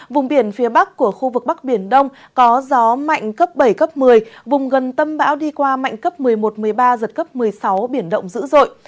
vùng biển phía bắc của khu vực bắc biển đông có gió mạnh cấp bảy cấp một mươi vùng gần tâm bão đi qua mạnh cấp một mươi một một mươi ba giật cấp một mươi sáu biển động dữ dội